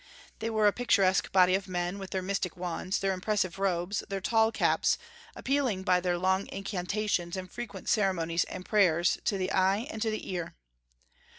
They were a picturesque body of men, with their mystic wands, their impressive robes, their tall caps, appealing by their long incantations and frequent ceremonies and prayers to the eye and to the ear.